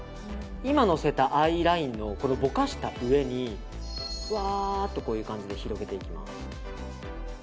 今のせたアイラインのぼかした上にふわーっと広げていきます。